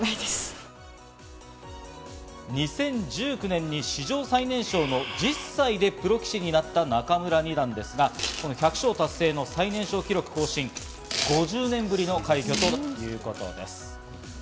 ２０１９年に史上最年少の１０歳でプロ棋士になった仲邑二段ですが、１００勝達成の最年少記録更新、５０年ぶりの快挙ということです。